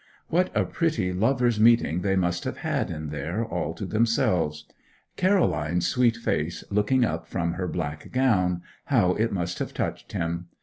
What a pretty lover's meeting they must have had in there all to themselves! Caroline's sweet face looking up from her black gown how it must have touched him.